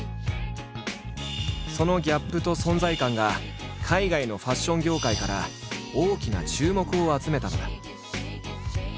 そのギャップと存在感が海外のファッション業界から大きな注目を集めたのだ。